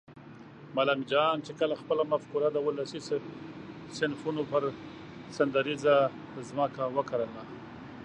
ملنګ جان چې کله خپله مفکوره د ولسي صنفونو پر سندریزه ځمکه وکرله